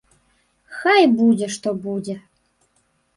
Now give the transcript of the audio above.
Хай будзе, што будзе!